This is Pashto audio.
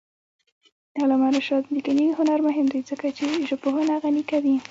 د علامه رشاد لیکنی هنر مهم دی ځکه چې ژبپوهنه غني کوي.